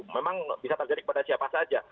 memang bisa terjadi kepada siapa saja